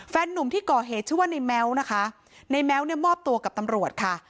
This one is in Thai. นุ่มที่ก่อเหตุชื่อว่าในแม้วนะคะในแม้วเนี่ยมอบตัวกับตำรวจค่ะ